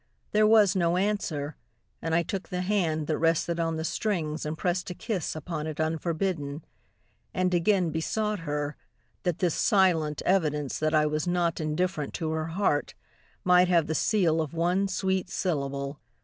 There was no answer, and I took the hand That rested on the strings, and pressed a kiss Upon it unforbidden and again Besought her, that this silent evidence That I was not indifferent to her heart, Might have the seal of one sweet syllable.